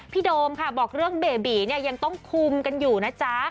โดมค่ะบอกเรื่องเบบีเนี่ยยังต้องคุมกันอยู่นะจ๊ะ